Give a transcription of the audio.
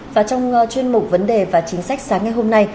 và trong chuyên mục vấn đề và chính sách sáng ngày hôm nay